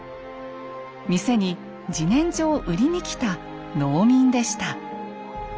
店に自然薯を売りに来た農民でした。